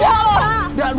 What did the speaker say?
udah udah udah dong ah